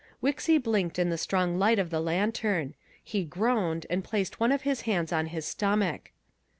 Wixy blinked in the strong light of the lantern. He groaned and placed one of his hands on his stomach.